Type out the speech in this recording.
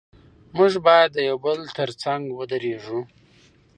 موږ باید د یو بل تر څنګ ودرېږو.